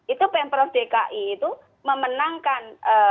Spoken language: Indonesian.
itu pemprov dki itu memenangkan